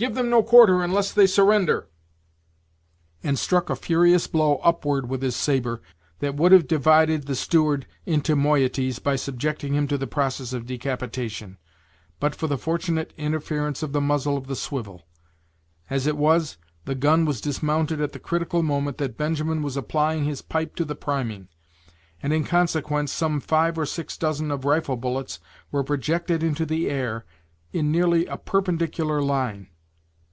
give them no quarter unless they surrender;" and struck a furious blow upward with his sabre, that would have divided the steward into moieties by subjecting him to the process of decapitation, but for the fortunate interference of the muzzle of the swivel. As it was, the gun was dismounted at the critical moment that Benjamin was applying his pipe to the priming, and in consequence some five or six dozen of rifle bullets were projected into the air, in nearly a perpendicular line.